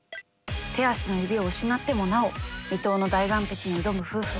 手足の指を失ってもなお未踏の大岩壁に挑む夫婦。